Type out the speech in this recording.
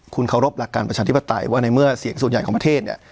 คุณเคารพหลักการประชาธิปไตยว่าในเมื่อเสียงส่วนใหญ่ของประเทศเนี่ย